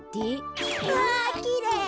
うわきれい。